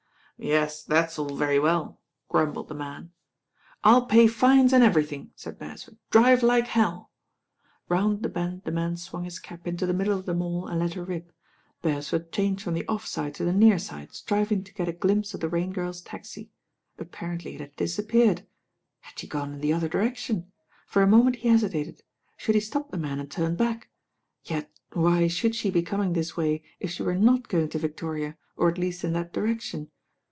"Yes, that's all very well," grumbled the man. "I'll pay fines and everything," said Beresford, "drive like hell." Round the bend the man swung his cab into the middle of the Mall and let her rip. Beresford changed from the offside to the nearside, striving to get a glimpse of the Rain Girl's taxi. Apparently it had disappeared. Had she gone in the other di rection? For a moment he hesitated. Should he stop the man and turn back? Yet why should she be coming this way if she were not going to Vic toria, or at least in that direction.